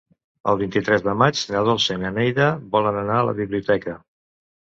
El vint-i-tres de maig na Dolça i na Neida volen anar a la biblioteca.